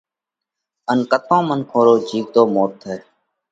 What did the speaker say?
ان ڪتون منکون رو جيوتو موت ٿئھ۔